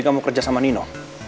kamu kerja sama nino